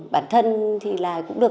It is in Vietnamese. bản thân thì là cũng được